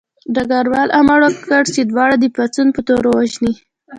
ډګروال امر وکړ چې دواړه د پاڅون په تور ووژني